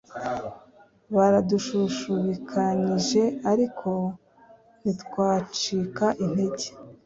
Baradushushubikanyije ariko ntitwaciaka intege